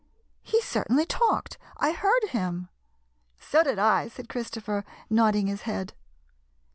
He certainly talked. I heard him." "So did I," said Christopher, nodding his head.